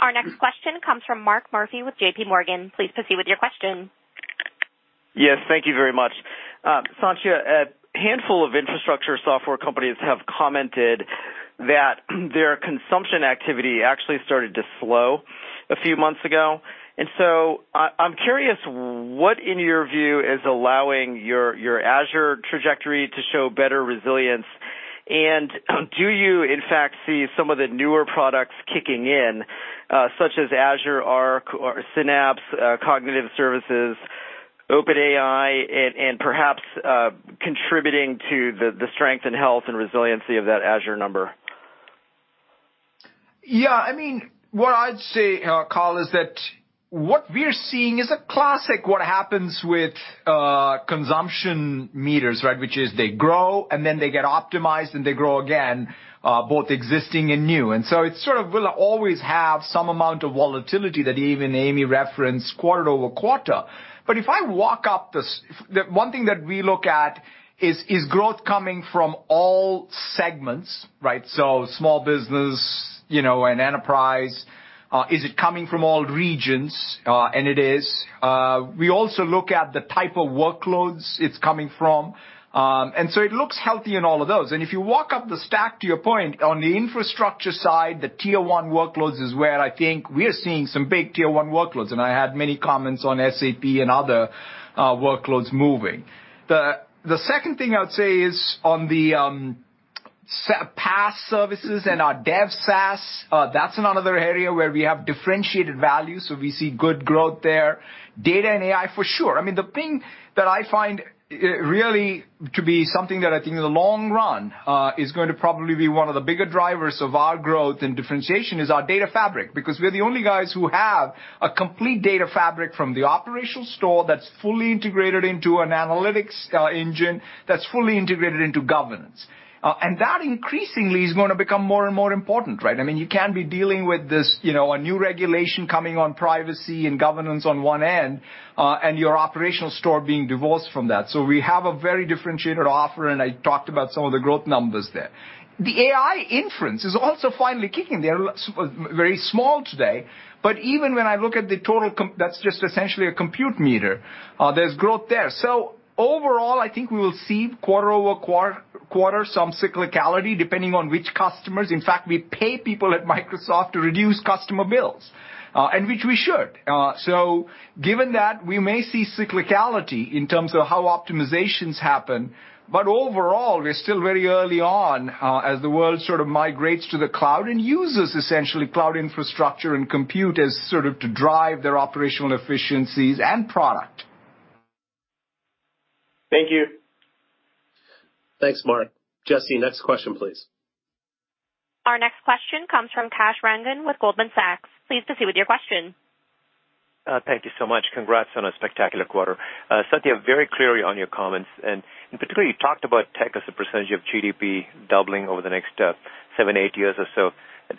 Our next question comes from Mark Murphy with JPMorgan. Please proceed with your question. Yes, thank you very much. Satya, a handful of infrastructure software companies have commented that their consumption activity actually started to slow a few months ago. I'm curious, what, in your view, is allowing your Azure trajectory to show better resilience? Do you, in fact, see some of the newer products kicking in, such as Azure Arc or Synapse, Cognitive Services, OpenAI, and perhaps contributing to the strength and health and resiliency of that Azure number? Yeah. I mean, what I'd say, Karl, is that what we're seeing is a classic what happens with consumption meters, right? Which is they grow, and then they get optimized, and they grow again, both existing and new. It sort of will always have some amount of volatility that even Amy referenced quarter-over-quarter. But if I walk through this, the one thing that we look at is growth coming from all segments, right? So small business, you know, and enterprise. Is it coming from all regions? And it is. We also look at the type of workloads it's coming from. It looks healthy in all of those. If you walk up the stack, to your point, on the infrastructure side, the tier one workloads is where I think we are seeing some big tier one workloads, and I had many comments on SAP and other workloads moving. The second thing I would say is on the SaaS PaaS services and our dev SaaS, that's another area where we have differentiated value, so we see good growth there. Data and AI, for sure. I mean, the thing that I find really to be something that I think in the long run is going to probably be one of the bigger drivers of our growth and differentiation is our data fabric. Because we're the only guys who have a complete data fabric from the operational store that's fully integrated into an analytics engine that's fully integrated into governance. That increasingly is gonna become more and more important, right? I mean, you can be dealing with this, you know, a new regulation coming on privacy and governance on one end, and your operational store being divorced from that. We have a very differentiated offer, and I talked about some of the growth numbers there. The AI inference is also finally kicking. They're very small today, but even when I look at the total compute that's just essentially a compute meter, there's growth there. Overall, I think we will see quarter over quarter some cyclicality, depending on which customers. In fact, we pay people at Microsoft to reduce customer bills, and which we should. Given that, we may see cyclicality in terms of how optimizations happen, but overall, we're still very early on, as the world sort of migrates to the cloud and uses essentially cloud infrastructure and compute as sort of to drive their operational efficiencies and product. Thank you. Thanks, Mark. Jesse, next question, please. Our next question comes from Kash Rangan with Goldman Sachs. Please proceed with your question. Thank you so much. Congrats on a spectacular quarter. Satya, very clearly on your comments, and in particular, you talked about tech as a percentage of GDP doubling over the next seven, eight years or so.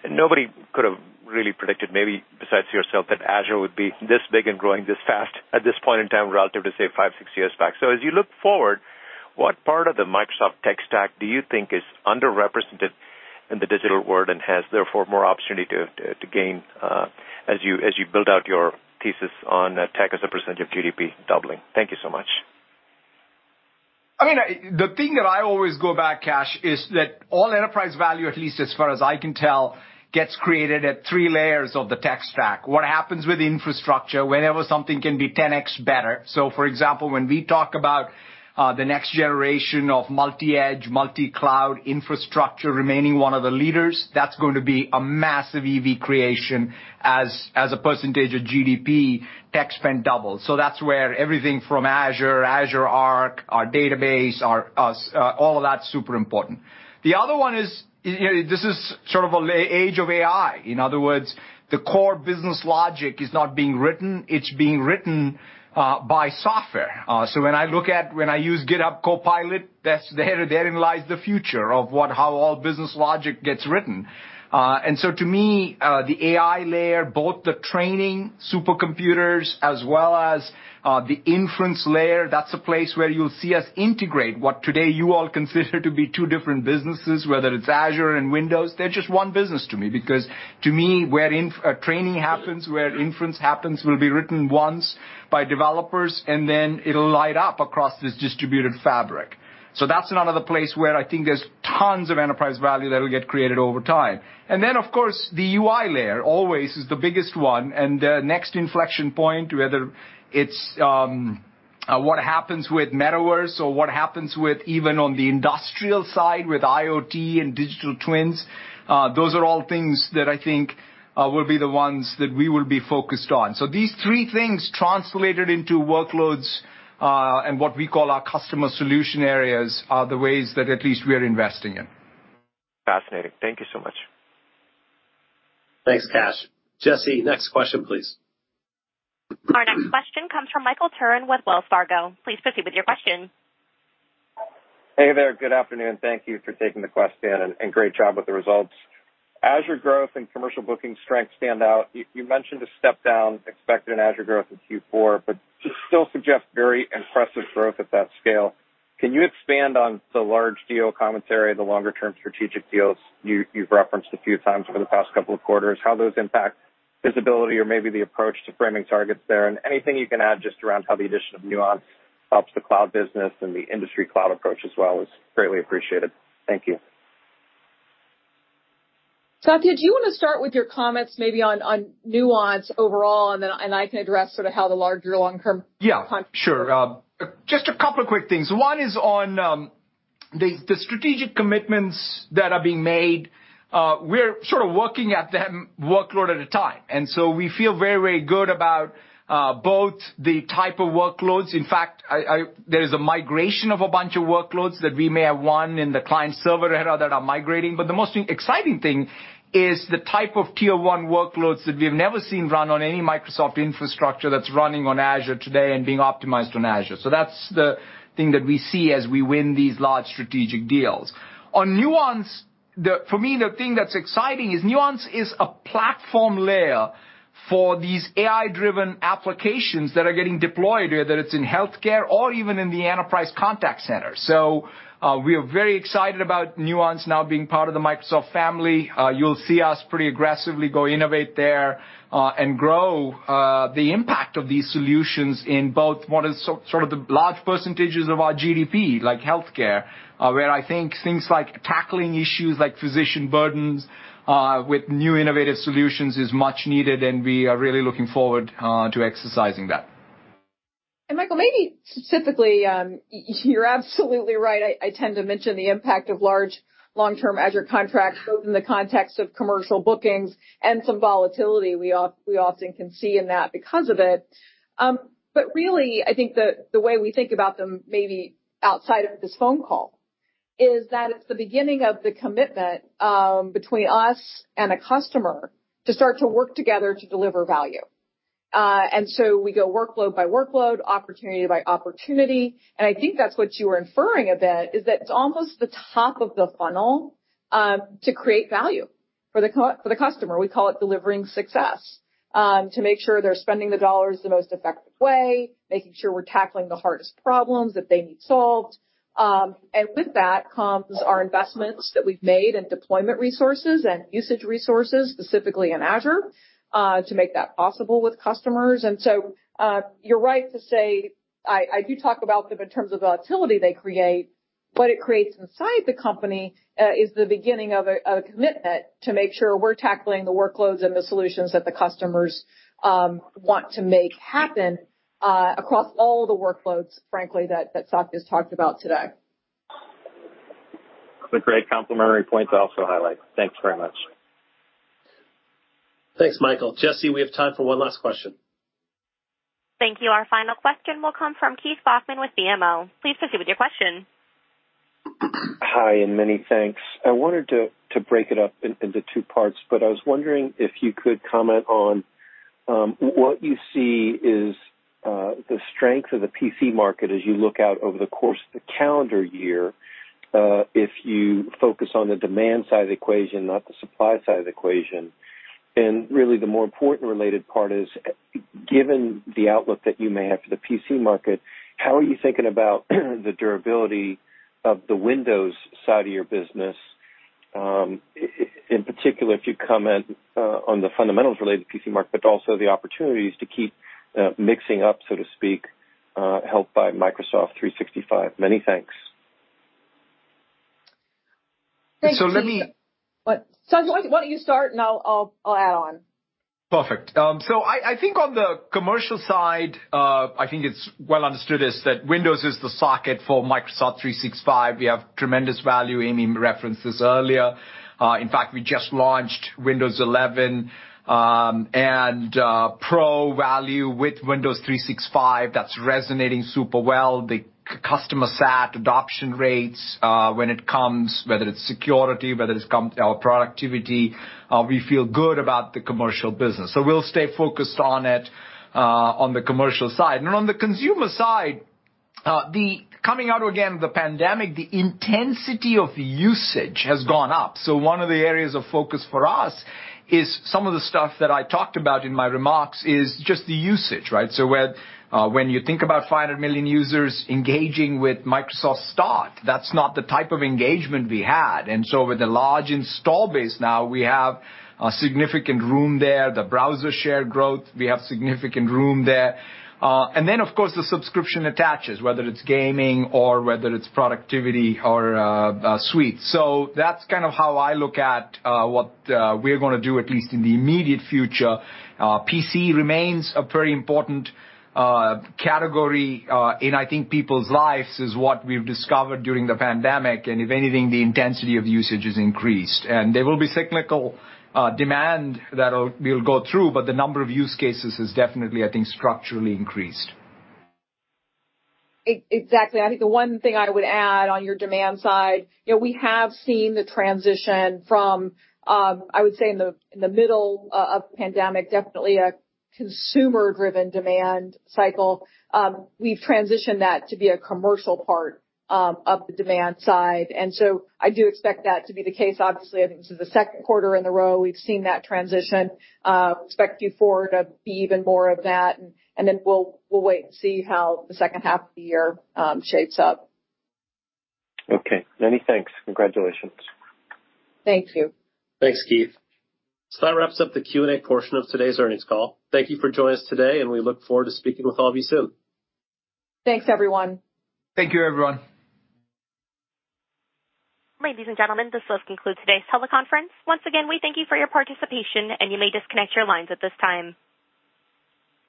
Nobody could have really predicted, maybe besides yourself, that Azure would be this big and growing this fast at this point in time relative to, say, five, six years back. As you look forward, what part of the Microsoft tech stack do you think is underrepresented in the digital world and has therefore more opportunity to gain as you build out your thesis on tech as a percentage of GDP doubling? Thank you so much. I mean, the thing that I always go back, Kash, is that all enterprise value, at least as far as I can tell, gets created at three layers of the tech stack. What happens with infrastructure whenever something can be 10x better. For example, when we talk about the next generation of multi-edge, multi-cloud infrastructure remaining one of the leaders, that's going to be a massive EV creation as a percentage of GDP tech spend double. That's where everything from Azure Arc, our database, our SQL, all of that's super important. The other one is, you know, this is sort of an age of AI. In other words, the core business logic is not being written, it's being written by software. When I use GitHub Copilot, therein lies the future of how all business logic gets written. To me, the AI layer, both the training supercomputers as well as the inference layer, that's a place where you'll see us integrate what today you all consider to be two different businesses, whether it's Azure and Windows. They're just one business to me, because to me, where training happens, where inference happens, will be written once by developers, and then it'll light up across this distributed fabric. That's another place where I think there's tons of enterprise value that'll get created over time. Of course, the UI layer always is the biggest one. Next inflection point, whether it's what happens with metaverse or what happens with even on the industrial side, with IoT and digital twins, those are all things that I think will be the ones that we will be focused on. These three things translated into workloads, and what we call our customer solution areas, are the ways that at least we are investing in. Fascinating. Thank you so much. Thanks, Kash. Jesse, next question, please. Our next question comes from Michael Turrin with Wells Fargo. Please proceed with your question. Hey there. Good afternoon. Thank you for taking the question, and great job with the results. Azure growth and commercial booking strength stand out. You mentioned a step down expected in Azure growth in Q4, but still suggests very impressive growth at that scale. Can you expand on the large deal commentary, the longer-term strategic deals you've referenced a few times over the past couple of quarters, how those impact visibility or maybe the approach to framing targets there, and anything you can add just around how the addition of Nuance helps the cloud business and the industry cloud approach as well is greatly appreciated. Thank you. Satya, do you wanna start with your comments maybe on Nuance overall, and then I can address sort of how the larger long-term- Yeah, sure. Just a couple of quick things. One is on the strategic commitments that are being made. We're sort of working at them workload at a time, and so we feel very good about both the type of workloads. In fact, there is a migration of a bunch of workloads that we may have won in the client server era that are migrating. The most exciting thing is the type of tier one workloads that we've never seen run on any Microsoft infrastructure that's running on Azure today and being optimized on Azure. That's the thing that we see as we win these large strategic deals. On Nuance, for me, the thing that's exciting is Nuance is a platform layer for these AI-driven applications that are getting deployed, whether it's in healthcare or even in the enterprise contact center. We are very excited about Nuance now being part of the Microsoft family. You'll see us pretty aggressively go innovate there, and grow the impact of these solutions in both what is sort of the large percentages of our GDP, like healthcare, where I think things like tackling issues like physician burdens with new innovative solutions is much needed, and we are really looking forward to exercising that. Michael, maybe specifically, you're absolutely right. I tend to mention the impact of large long-term Azure contracts both in the context of commercial bookings and some volatility we often can see in that because of it. Really I think the way we think about them, maybe outside of this phone call, is that it's the beginning of the commitment between us and a customer to start to work together to deliver value. We go workload by workload, opportunity by opportunity, and I think that's what you are inferring a bit, is that it's almost the top of the funnel to create value for the customer. We call it delivering success to make sure they're spending the dollars the most effective way, making sure we're tackling the hardest problems that they need solved. With that comes our investments that we've made in deployment resources and usage resources, specifically in Azure, to make that possible with customers. You're right to say I do talk about them in terms of the volatility they create. What it creates inside the company is the beginning of a commitment to make sure we're tackling the workloads and the solutions that the customers want to make happen across all the workloads, frankly, that Satya's talked about today. Those are great complementary points I also highlight. Thanks very much. Thanks, Michael. Jesse, we have time for one last question. Thank you. Our final question will come from Keith Bachman with BMO. Please proceed with your question. Hi, many thanks. I wanted to break it up into two parts, but I was wondering if you could comment on what you see as the strength of the PC market as you look out over the course of the calendar year, if you focus on the demand side of the equation, not the supply side of the equation. Really, the more important related part is, given the outlook that you may have for the PC market, how are you thinking about the durability of the Windows side of your business? In particular, if you comment on the fundamentals related to the PC market, but also the opportunities to keep mixing up, so to speak, helped by Microsoft 365. Many thanks. Thank you. So let me- What? Satya, why don't you start and I'll add on. Perfect. I think on the commercial side, I think it's well understood that Windows is the socket for Microsoft 365. We have tremendous value. Amy referenced this earlier. In fact, we just launched Windows 11 and Pro value with Windows 365. That's resonating super well. The customer sat adoption rates when it comes to whether it's security, whether it's compliance or productivity, we feel good about the commercial business. We'll stay focused on it on the commercial side. On the consumer side, the coming out of the pandemic, the intensity of usage has gone up. One of the areas of focus for us is some of the stuff that I talked about in my remarks is just the usage, right? Where, when you think about 500 million users engaging with Microsoft Start, that's not the type of engagement we had. With the large install base, now we have a significant room there. The browser share growth, we have significant room there. And then, of course, the subscription attaches, whether it's gaming or whether it's productivity or Suite. That's kind of how I look at what we're gonna do at least in the immediate future. PC remains a very important category in, I think, people's lives is what we've discovered during the pandemic. If anything, the intensity of usage has increased. There will be cyclical demand that'll we'll go through, but the number of use cases has definitely, I think, structurally increased. Exactly. I think the one thing I would add on your demand side, you know, we have seen the transition from, I would say in the middle of the pandemic, definitely a consumer-driven demand cycle. We've transitioned that to be a commercial part of the demand side, and so I do expect that to be the case. Obviously, I think this is the second quarter in a row we've seen that transition. Expect Q4 to be even more of that, and then we'll wait and see how the second half of the year shapes up. Okay. Many thanks. Congratulations. Thank you. Thanks, Keith. That wraps up the Q&A portion of today's earnings call. Thank you for joining us today, and we look forward to speaking with all of you soon. Thanks, everyone. Thank you, everyone. Ladies and gentlemen, this does conclude today's teleconference. Once again, we thank you for your participation, and you may disconnect your lines at this time.